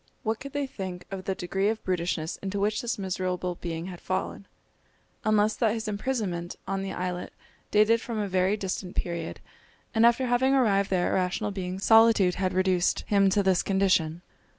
What could they think of the degree of brutishness into which this miserable being had fallen, unless that his imprisonment on the islet dated from a very distant period, and after having arrived there a rational being solitude had reduced him to this condition.